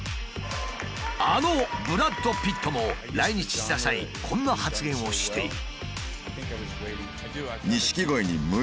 あのブラッド・ピットも来日した際こんな発言をしている。